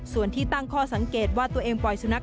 ส่วนที่ตั้งข้อสังเกตว่าตัวเองปล่อยสุนัข